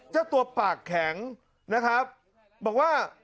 เจ้าตัวปากแข็งนะครับบอกว่า